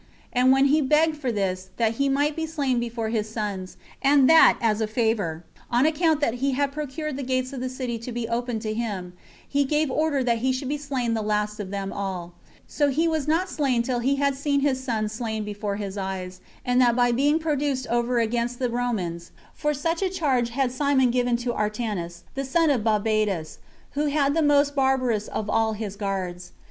And when he begged for this, that he might be slain before his sons, and that as a favor, on account that he had procured the gates of the city to be opened to him, he gave order that he should be slain the last of them all; so he was not slain till he had seen his sons slain before his eyes, and that by being produced over against the Romans; for such a charge had Simon given to Artanus, the son of Bamadus, who was the most barbarous of all his guards.